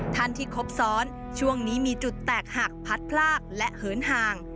ท่านที่ครบซ้อนช่วงนี้มีจุดแตกหักพัดพลากและเหินห่าง